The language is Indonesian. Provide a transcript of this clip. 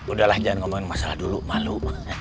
udahlah jangan ngomongin masalah dulu malu